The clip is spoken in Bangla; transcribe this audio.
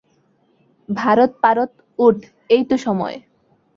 ভারত পারত উঠ এইতো সময় ।